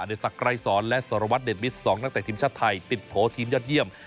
อดิสักรายสรและสรวัสดิ์เดนมิส๒นักเตะทีมชาติไทยติดโพลทีมยอดเยี่ยม